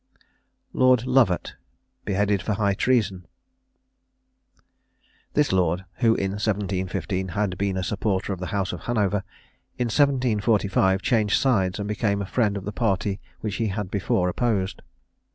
LORD LOVAT. BEHEADED FOR HIGH TREASON. This lord, who in 1715 had been a supporter of the House of Hanover, in 1745 changed sides, and became a friend of the party which he had before opposed.